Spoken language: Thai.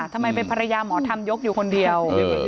ทำไมเป็นภรรยาหมอธรรมยกอยู่คนเดียว